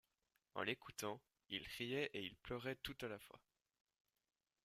En l'écoutant, il riait et il pleurait tout à la fois.